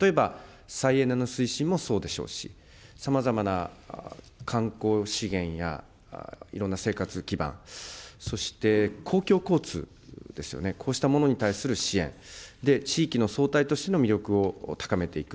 例えば、再エネの推進もそうでしょうし、さまざまな観光資源やいろんな生活基盤、そして公共交通ですよね、こうしたものにたいする支援、地域のそうたいとしての魅力を高めていく。